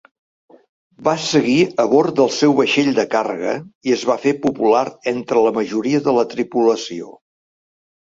Va seguir a bord del seu vaixell de càrrega i es va fer popular entre la majoria de la tripulació.